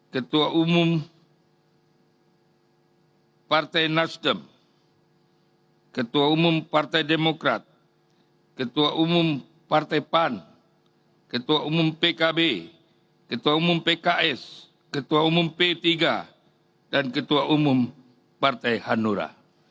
ketua umum partai nasdem ketua umum partai demokrat ketua umum partai pan ketua umum pkb ketua umum pks ketua umum p tiga dan ketua umum partai hanura